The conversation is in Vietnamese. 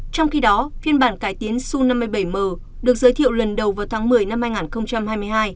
trong khi đó phiên bản cải tiến su năm mươi bảy m được giới thiệu lần đầu vào tháng một mươi năm hai nghìn hai mươi hai